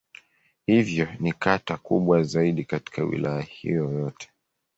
Hivyo ni kata kubwa zaidi katika Wilaya hiyo yote.